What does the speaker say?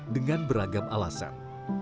dengan beragam alasan